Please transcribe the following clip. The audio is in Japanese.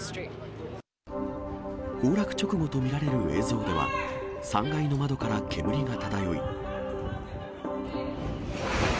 崩落直後と見られる映像では、３階の窓から煙が漂い。